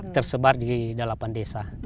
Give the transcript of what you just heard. tersebar di delapan desa